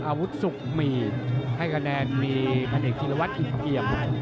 อาวุธสุขมีให้คะแนนมีพันธกิจกรรมอีกเกียรติ